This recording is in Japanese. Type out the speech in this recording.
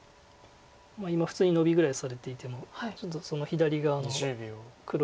今普通にノビぐらいされていてもちょっとその左側の黒一帯が。